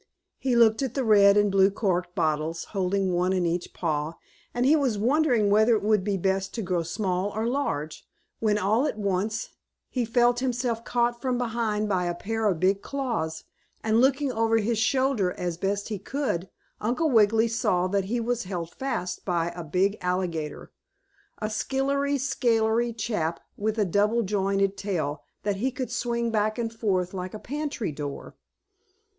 He looked at the red and blue corked bottles, holding one in each paw, and he was wondering whether it would be best to grow small or large, when, all at once, he felt himself caught from behind by a pair of big claws, and, looking over his shoulder, as best he could, Uncle Wiggily saw that he was held fast by a big alligator; a skillery scalery chap with a double jointed tail that he could swing back and forth like a pantry door.